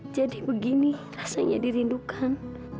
jadi begini rasanya dirindukan